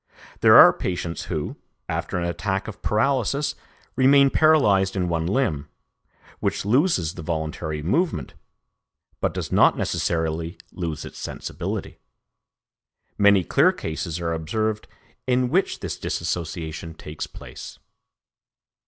There are patients who, after an attack of paralysis remain paralysed in one limb, which loses the voluntary movement, but does not necessarily lose its sensibility. Many clear cases are observed in which this dissociation takes place.